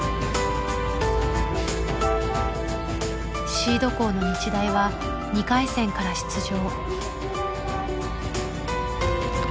シード校の日大は２回戦から出場。